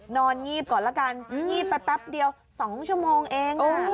งีบก่อนละกันงีบไปแป๊บเดียว๒ชั่วโมงเอง